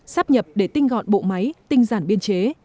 sắp nhập để tinh gọn bộ máy tinh giản biên chế